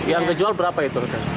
yang terjual berapa itu